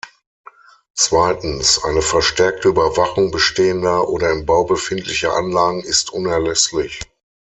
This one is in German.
Zweitens, eine verstärkte Überwachung bestehender oder im Bau befindlicher Anlagen ist unerlässlich.